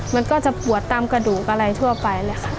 มันก็จะปวดตามกระดูกอะไรทั่วไปเลยค่ะ